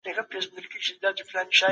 په پلي مزل کې د سر درد نه زیاتېږي.